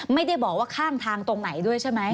ไม่ได้บอกว่าข้างทางตรงไหนด้วยใช่ไหม